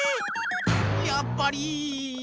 やっぱり。